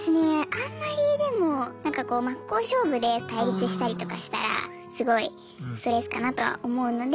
あんまりでもなんかこう真っ向勝負で対立したりとかしたらすごいストレスかなとは思うので。